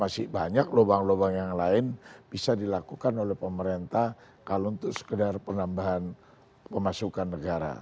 masih banyak lubang lubang yang lain bisa dilakukan oleh pemerintah kalau untuk sekedar penambahan pemasukan negara